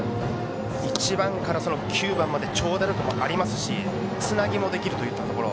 １番から９番まで長打力もありますしつなぎもできるというところ。